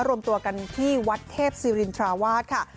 รวมตัวกันที่วัดเทพศิรินทราวาสค่ะ